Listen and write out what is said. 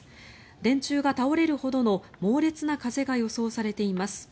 電柱が倒れるほどの猛烈な風が予想されています。